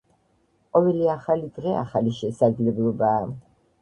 ყოველი ახალი დღე ახალი შესაძლებლობაა.